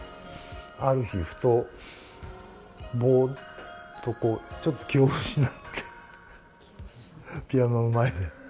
ある日、ふと、ぼーっと、ちょっと気を失って、ピアノの前で。